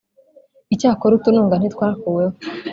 Icyakora utununga ntitwakuweho